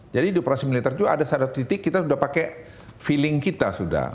jadi di operasi militer juga ada satu titik kita sudah pakai feeling kita sudah